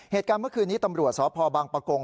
เหตุการณ์เมื่อคืนนี้ตำรวจสพบังปะกง